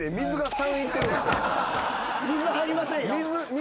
水入りませんよ。